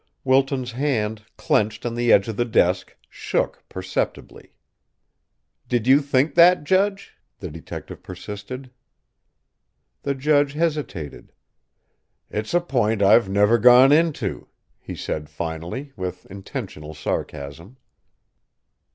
Wilton's hand, clenched on the edge of the desk, shook perceptibly. "Did you think that, judge?" the detective persisted. The judge hesitated. "It's a point I've never gone into," he said finally, with intentional sarcasm.